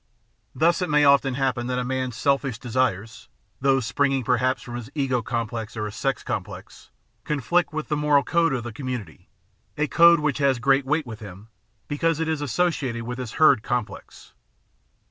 Thus it may often happen that a man's "selfish" desires, those springing perhaps from his ego complex or his sex complex, conflict with the moral code of the com munity, a code which has great weight with him because it is associated with his herd complex.